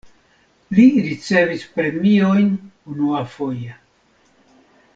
Li ricevis premiojn unuafoje.